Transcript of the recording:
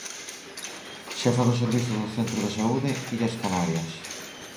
Xefa do servizo do centro de saúde Illas Canarias.